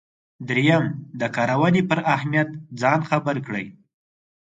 دریم د کارونې پر اهمیت ځان خبر کړئ.